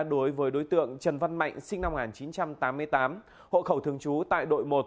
đối với đối tượng trần văn mạnh sinh năm một nghìn chín trăm tám mươi tám hộ khẩu thường trú tại đội một